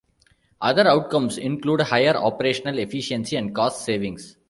Other outcomes include higher operational efficiency and cost savings.